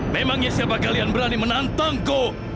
memangnya siapa kalian berani menantangku